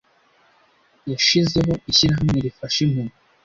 Yashizeho ishyirahamwe rifasha impumyi.